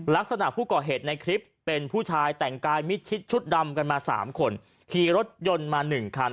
ลักษณะผู้ก่อเหตุในคลิปเป็นผู้ชายแต่งกายมิดชิดชุดดำกันมา๓คนขี่รถยนต์มา๑คัน